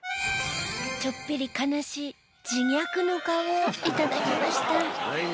ちょっぴり悲しい自虐の顔頂きました。